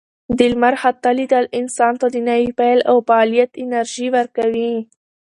د لمر خاته لیدل انسان ته د نوي پیل او فعالیت انرژي ورکوي.